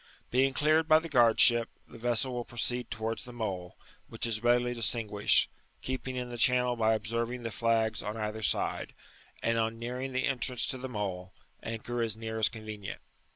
''*' Being cleared by the g^ard ship, the vessel will proceed towards the Mole, which is readily distinguished, keeping in the channel by observing the flags on either side; and on nearing tl^ entrance to the Mole, anchor as near as convenient.